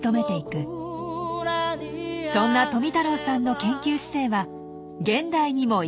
そんな富太郎さんの研究姿勢は現代にも生き続けています。